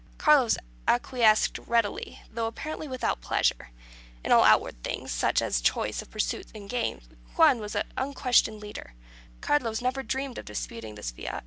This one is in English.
Carlos acquiesced readily, though apparently without pleasure. In all outward things, such as the choice of pursuits and games, Juan was the unquestioned leader, Carlos never dreamed of disputing his fiat.